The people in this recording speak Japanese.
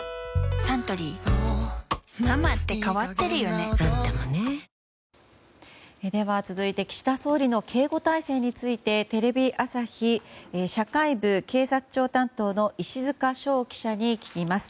サントリー続いて岸田総理の警護態勢についてテレビ朝日社会部警察庁担当の石塚翔記者に聞きます。